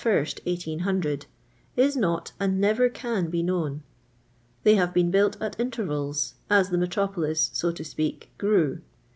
1, 1800, is not and never can be known. They have been bmlt at intervals, as the metropolis, so to speak, grew.